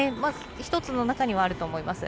１つの中にはあると思います。